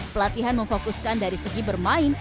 pelatihan memfokuskan dari segi bermain